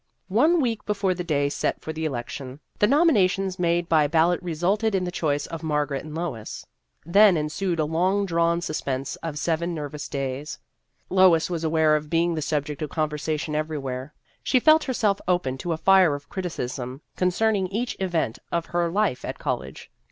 One week before the day set for the election, the nominations made by ballot resulted in the choice of Margaret and Lois. Then ensued a long drawn sus pense of seven nervous days. Lois was aware of being the subject of conversa tion everywhere ; she felt herself open to a fire of criticism concerning each event of her life at college.